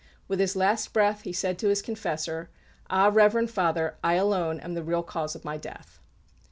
With his last breath, he said to his confessor, "Ah, reverend father, I alone am the real cause of my death."